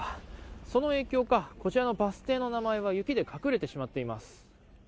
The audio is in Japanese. その影響かこちらのバス停の名前は雪で隠れてしまっています。